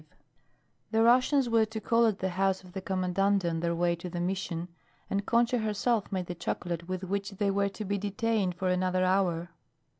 V The Russians were to call at the house of the Commandante on their way to the Mission, and Concha herself made the chocolate with which they were to be detained for another hour.